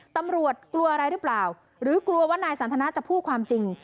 ตำรวจกลัวอะไรหรือเปล่าหรือกลัวว่านายสันทนาจะพูดความจริง